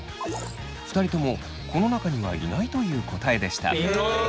２人ともこの中にはいないという答えでした。